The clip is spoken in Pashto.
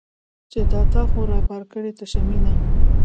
چې دا تا خو رابار کړې تشه مینه